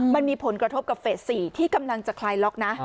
มันมีผลกระทบกับเฟส๔ที่กำลังจะคลายล็อกนะ